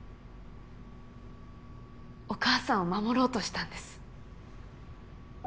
お母さんを守ろうとしたんです。